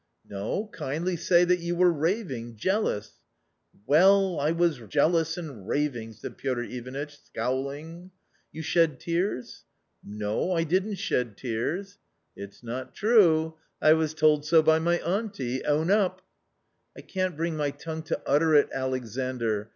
" No, kindly say that you were raving, jealous ?" "Well, I was jealous and raving," said Piotr Ivanitch, scowling. " You shed tears ?"" No, I didn't shed tears." " It's not true 1 I was told so by my auntie ; own up." " I can't bring my Jongue to utter it, Alexandr.